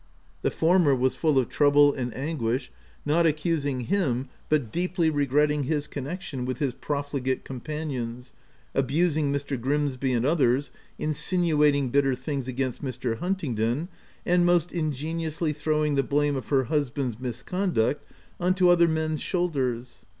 The former was full of trouble and anguish ; not accusing him, but deeply regretting his connection with his profligate companions, abusing Mr. Grimsby and others, insinuating bitter things against Mr. Hunting don, and most ingeniously throwing the blame of her husband's misconduct on to other men's shoulders.